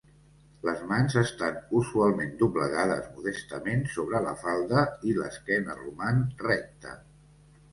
Les mans estan usualment doblegades modestament sobre la falda i l'esquena roman recta.